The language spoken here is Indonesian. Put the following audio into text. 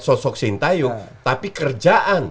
sosok sintayung tapi kerjaan